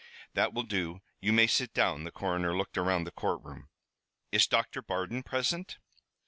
"That will do. You may sit down." The coroner looked around the courtroom. "Is Doctor Bardon present?"